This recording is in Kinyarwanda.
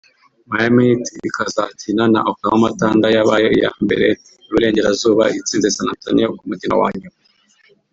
Miami Heat ikazakina na Oklahoma Thunder yabaye iyambere I burengerazuba itsinze San Antonio ku mukino wa nyuma